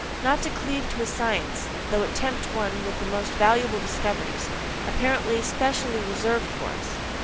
Not to cleave to a science, though it tempt one with the most valuable discoveries, apparently specially reserved for us.